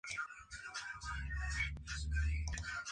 Fue entonces cuando le preguntaron a el Asistente para tomar el trono.